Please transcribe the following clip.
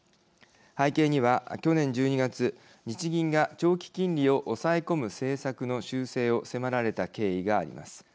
背景には去年１２月、日銀が長期金利を抑え込む政策の修正を迫られた経緯があります。